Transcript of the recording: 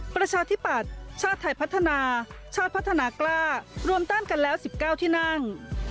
ประชาธิปัตย์ชาติไทยพัฒนาชาติพัฒนากล้ารวมต้านกันแล้ว๑๙ที่นั่ง